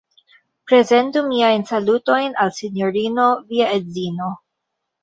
Prezentu miajn salutojn al Sinjorino via edzino!